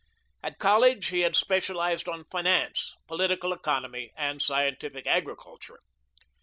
At college, he had specialised on finance, political economy, and scientific agriculture.